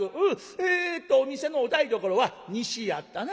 えっとお店のお台所は西やったな？